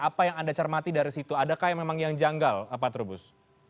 apa yang anda cermati dari situ adakah yang memang yang janggal pak trubus